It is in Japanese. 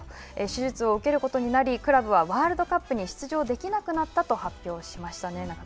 手術を受けることになり、クラブは、ワールドカップに出場できなくなったと発表しましたね。